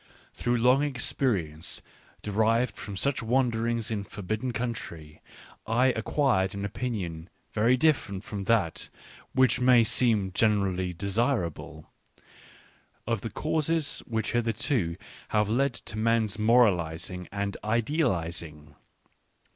/ Through long experience, de rived from such wanderings in forbidden country, I acquired an opinion very different from that which may seem generally desirable, of the causes which hitherto have led to men's moralising and idealising.